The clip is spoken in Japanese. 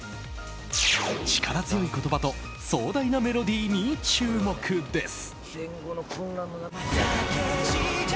力強い言葉と壮大なメロディーに注目です。